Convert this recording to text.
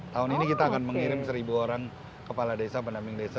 tahun ini kita akan mengirim seribu orang kepala desa pendamping desa